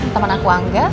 temen aku angga